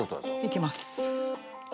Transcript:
いきます。